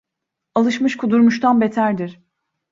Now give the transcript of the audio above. Alışmış kudurmuştan beterdir.